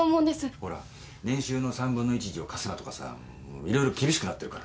ほら年収の３分の１以上貸すなとかさいろいろ厳しくなってるから。